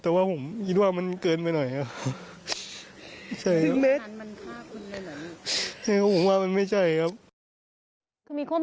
แต่ว่าผมคิดว่ามันเกินไปหน่อยครับ